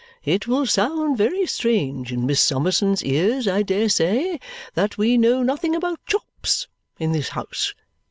It will sound very strange in Miss Summerson's ears, I dare say, that we know nothing about chops in this house.